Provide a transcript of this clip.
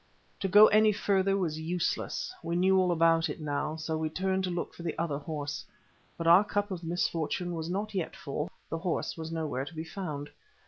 To go any further was useless; we knew all about it now, so we turned to look for the other horse. But our cup of misfortune was not yet full; the horse was nowhere to be found.